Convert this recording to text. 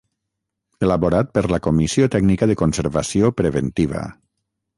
Elaborat per la Comissió Tècnica de Conservació preventiva.